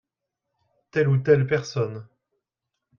Telle ou telle personne.